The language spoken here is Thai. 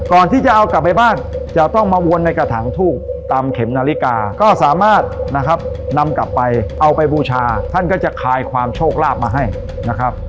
ก่อนที่จะเอากลับไปบ้านจะต้องมาวนในกระถางทูบตามเข็มนาฬิกาก็สามารถนะครับนำกลับไปเอาไปบูชาท่านก็จะคลายความโชคลาภมาให้นะครับ